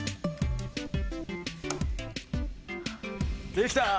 できた！